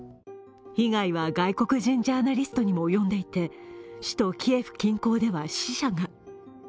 被害は外国人ジャーナリストにも及んでいて首都キエフ近郊では死者が。